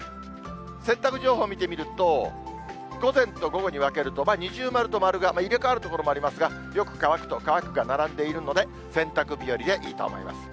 洗濯情報見てみると、午前と午後に分けると二重丸と丸が入れ代わる所もありますが、よく乾くと、乾くが並んでいるので、洗濯日和でいいと思います。